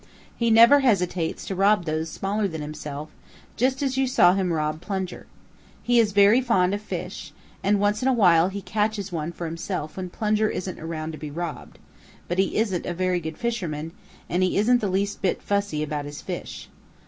He never hesitates to rob those smaller than himself, just as you saw him rob Plunger. He is very fond of fish, and once in a while he catches one for himself when Plunger isn't around to be robbed, but he isn't a very good fisherman, and he isn't the least bit fussy about his fish.